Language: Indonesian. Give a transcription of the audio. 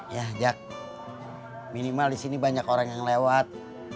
ya jak minimal di sini banyak orang yang lewat